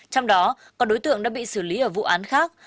trong đó có đối tượng đã bị xử lý ở vụ án khác